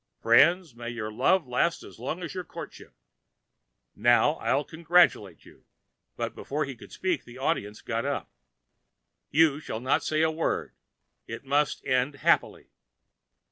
'Friends, may your love last as long as your courtship.' Now I'll congratulate you." But before he could speak, the Audience got up. "You shall not say a word. It must end happily."